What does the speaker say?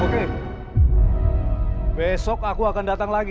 oke besok aku akan datang lagi